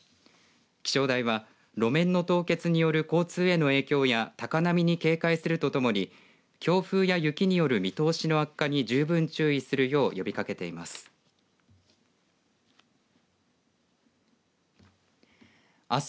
気象台は路面の凍結による交通への影響や高波に警戒するとともに強風や雪による見通しの悪化に十分注意するよう呼びかけています。